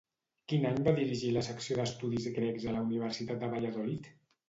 Quin any va dirigir la secció d'Estudis Grecs a la Universitat de Valladolid?